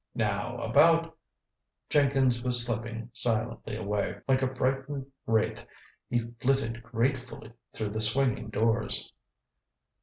Now, about " Jenkins was slipping silently away. Like a frightened wraith he flitted gratefully through the swinging doors.